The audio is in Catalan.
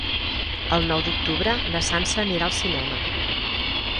El nou d'octubre na Sança anirà al cinema.